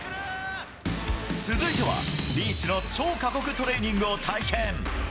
続いては、リーチの超過酷トレーニングを体験。